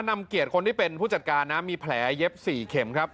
นำเกียรติคนที่เป็นผู้จัดการนะมีแผลเย็บ๔เข็มครับ